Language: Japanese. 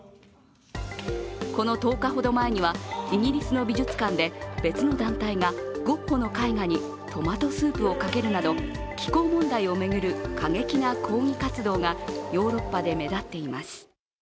この１０日ほど前にはイギリスの美術館で別の団体がゴッホの絵画にトマトスープをかけるなど気候問題を巡る過激な抗議活動がヨーロッパで目立っています。